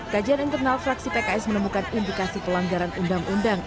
kajian internal fraksi pks menemukan indikasi pelanggaran undang undang